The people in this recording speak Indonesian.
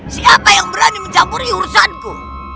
siapa yang berani mencampuri urusanku